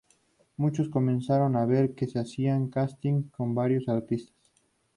Muchos comenzaron a ver que se hacían "castings" con varios artistas.